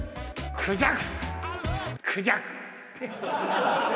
クジャク。